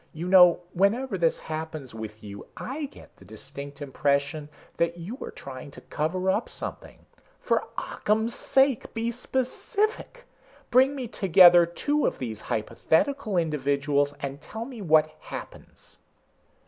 You know whenever this happens with you, I get the distinct impression that you are trying to cover up something. For Occam's sake, be specific! Bring me together two of these hypothetical individuals and tell me what happens."